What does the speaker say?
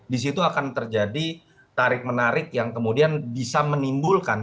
di situ akan terjadi tarik menarik yang kemudian bisa menimbulkan